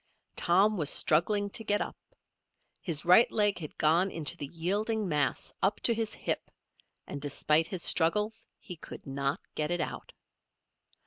Tom was struggling to get up. His right leg had gone into the yielding mass up to his hip, and despite his struggles he could not get it out.